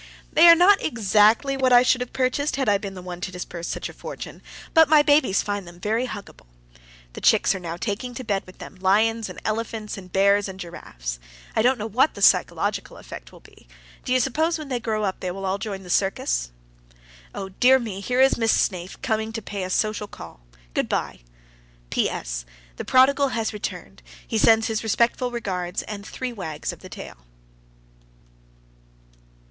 They are not exactly what I should have purchased had I been the one to disburse such a fortune, but my babies find them very huggable. The chicks are now taking to bed with them lions and elephants and bears and giraffes. I don't know what the psychological effect will be. Do you suppose when they grow up they will all join the circus? Oh, dear me, here is Miss Snaith, coming to pay a social call. Good by. S. P.S. The prodigal has returned. He sends his respectful regards, and three wags of the tail.